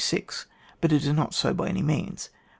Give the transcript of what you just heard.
But it is not so by any means.